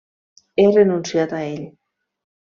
He renunciat a ell.